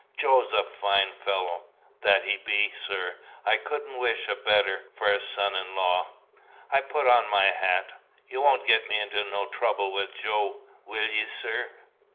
Joe's a fine fellow." "That he be, sir. I couldn't wish a better for a son in law." I put on my hat. "You won't get me into no trouble with Joe, will ye, sir!"